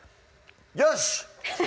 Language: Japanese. よし！